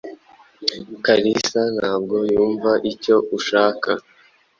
Kalisa ntabwo yumva icyo ushaka.